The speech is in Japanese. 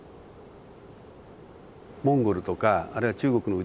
モンゴルとかあるいは中国の内